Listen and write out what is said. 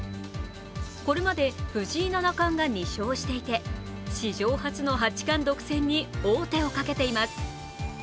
これまで藤井七冠が２勝していて、史上初の八冠独占に王手をかけています。